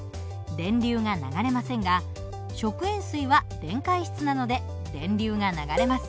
電流が流れませんが食塩水は電解質なので電流が流れます。